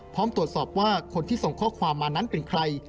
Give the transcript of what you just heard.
พร้อมตรวจสอบว่าคนที่ส่งข้อความมานั้นเป็นใคร